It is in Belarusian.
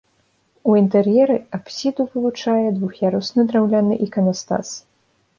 У інтэр'еры апсіду вылучае двух'ярусны драўляны іканастас.